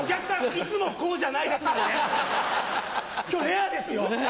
いつもこうじゃないですからね今日レアですよ。